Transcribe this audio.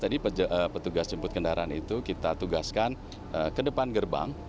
tadi petugas jemput kendaraan itu kita tugaskan ke depan gerbang